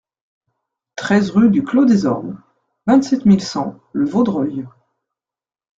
treize rue du Clos des Ormes, vingt-sept mille cent Le Vaudreuil